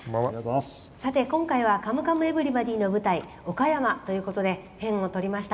さて今回は「カムカムエヴリバディ」の舞台岡山ということでペンを取りました。